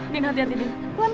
deng hati hati deng